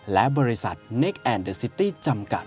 และบริษัทเนคแอนเดอร์ซิตี้จำกัด